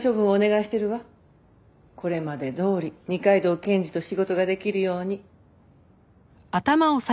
これまでどおり二階堂検事と仕事ができるように。